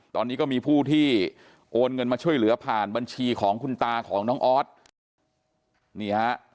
ตอนนี้ก็มีผู้ที่โอนเงินมาช่วยเหลือผ่านบัญชีของคุณตาของน้องออสนี่ฮะ